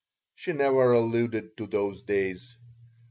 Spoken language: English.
She never alluded to those days.